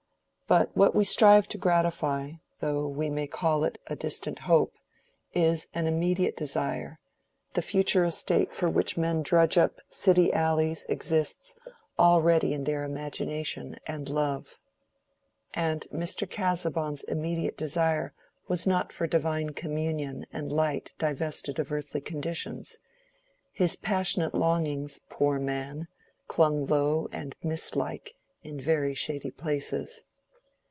But what we strive to gratify, though we may call it a distant hope, is an immediate desire: the future estate for which men drudge up city alleys exists already in their imagination and love. And Mr. Casaubon's immediate desire was not for divine communion and light divested of earthly conditions; his passionate longings, poor man, clung low and mist like in very shady places.